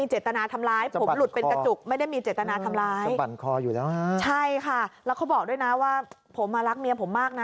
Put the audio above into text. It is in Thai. ใช่ค่ะแล้วเขาบอกด้วยนะว่าผมรักเมียผมมากนะ